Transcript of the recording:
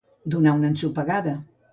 Donar una ensopegada.